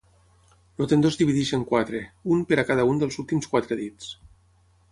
El tendó es divideix en quatre, un per a cada un dels últims quatre dits.